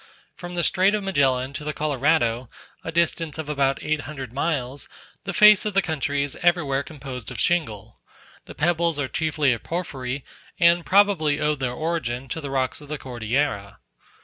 From the Strait of Magellan to the Colorado, a distance of about eight hundred miles, the face of the country is everywhere composed of shingle: the pebbles are chiefly of porphyry, and probably owe their origin to the rocks of the Cordillera.